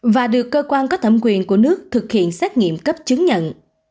và được cơ quan có thẩm quyền của nước thực hiện xét nghiệm cấp chứng nhận